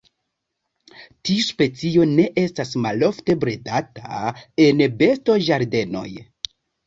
Tiu specio ne estas malofte bredata en bestoĝardenoj.